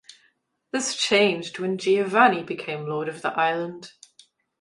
This changed when Giovanni became the lord of the island.